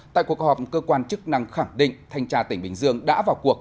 tại cuộc họp cơ quan chức năng khẳng định thanh tra tỉnh bình dương đã vào cuộc